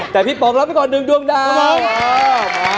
แต่พี่ปองร้องไปก่อนเปิดดวงดาว